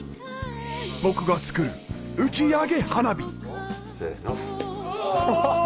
僕が作る打ち上げ花火せの。